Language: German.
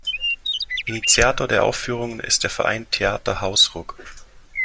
Initiator der Aufführungen ist der Verein "Theater Hausruck".